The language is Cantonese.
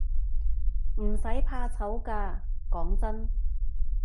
唔使怕醜㗎，講真